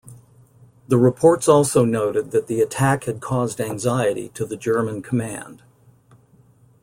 The reports also noted that the attack had caused anxiety to the German command.